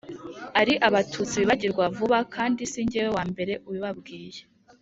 ari abatutsi bibagirwa vuba, kandi si jye wa mbere ubibabwiye,